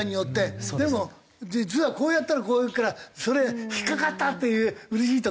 でも実はこうやったらこういくから「それ引っかかった！」っていううれしい時ないんですか？